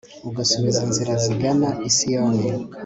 ugasiba inzira zigana i siyoni